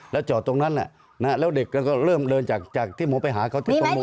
แล้วจอดตรงนั้นแล้วเด็กก็เริ่มเดินจากที่ผมไปหาเขาจากตรงโม